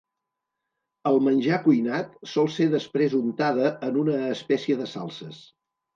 El menjar cuinat sol ser després untada en una espècie de salses.